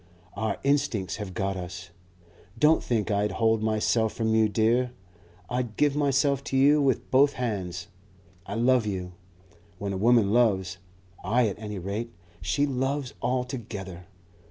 Our instincts have got us.... Don't think I'd hold myself from you, dear. I'd give myself to you with both hands. I love you When a woman loves I at any rate she loves altogether.